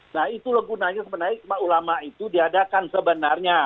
nah itulah gunanya sebenarnya ulama itu diadakan sebenarnya